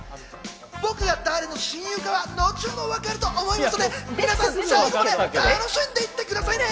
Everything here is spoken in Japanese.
僕が誰の親友かは後ほど分かると思いますので、皆さん、楽しんでいってくださいね。